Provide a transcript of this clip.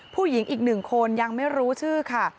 ผู้หญิงอีกหนึ่งคนยังไม่รู้ชื่อค่ะ